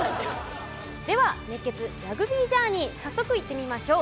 では熱血ラグビージャーニー早速いってみましょう。